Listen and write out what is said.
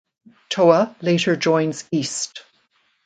Toa later joins east.